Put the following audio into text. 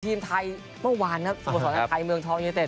ทีมไทยเมื่อวานครับภูมิสวนศาลไทยเมืองท้องยูนิเต็ด